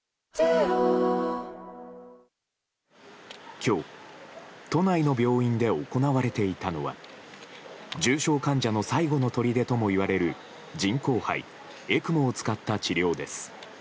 今日、都内の病院で行われていたのは重症患者の最後のとりでともいわれる人工肺・ＥＣＭＯを使った治療です。